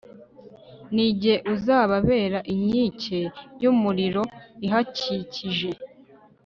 ni jye uzababera inkike y'umuriro ihakikije